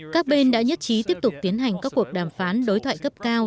các bên đã nhất trí tiếp tục tiến hành các cuộc đàm phán đối thoại cấp cao